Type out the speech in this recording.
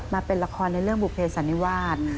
มาเป็นละครในเรื่องบุเภสันนิวาส